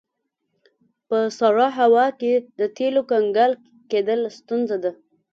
په سړه هوا کې د تیلو کنګل کیدل ستونزه ده